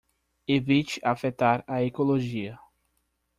Evite afetar a ecologia